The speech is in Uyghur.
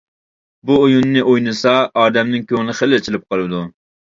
بۇ ئويۇننى ئوينىسا ئادەمنىڭ كۆڭلى خىلى ئىچىلىپ قالىدۇ!